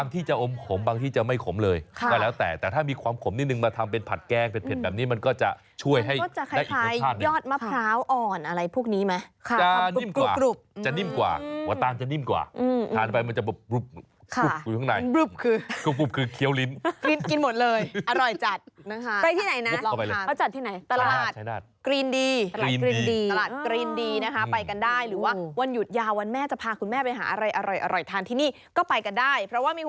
กรีนดีตลาดกรีนดีนะคะไปกันได้หรือว่าวันหยุดยาววันแม่จะพาคุณแม่ไปหาอะไรอร่อยทานที่นี่ก็ไปกันได้เพราะว่ามี